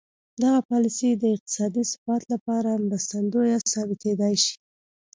دغه پالیسي د اقتصادي ثبات لپاره مرستندویه ثابتېدای شي.